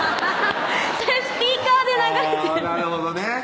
それスピーカーで流れてるなるほどね